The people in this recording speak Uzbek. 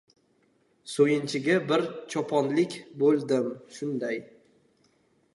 Suyunchiga bir choponlik bo‘ldim, shunday...